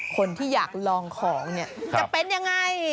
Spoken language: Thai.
คนที่อยากลองของเนี่ยจะเป็นยังไง